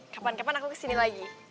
kapan kapan aku kesini lagi